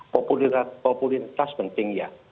populitas penting ya